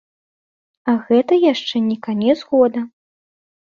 А гэта яшчэ не канец года.